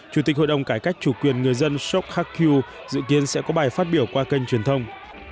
chủ tịch hội đồng cải cách chủ quyền người dân shop hok kyu dự kiến sẽ có bài phát biểu qua kênh truyền thông